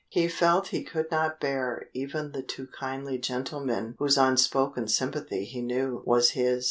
He felt he could not bear even the two kindly gentlemen whose unspoken sympathy he knew was his.